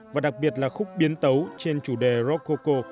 và đặc biệt là khúc biến tấu trên chủ đề rococo